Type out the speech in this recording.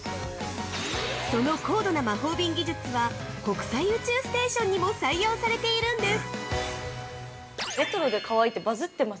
その高度な魔法瓶技術は国際宇宙ステーションにも採用されているんです。